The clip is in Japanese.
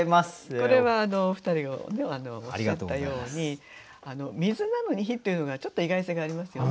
これはお二人がおっしゃったように水なのに火というのがちょっと意外性がありますよね。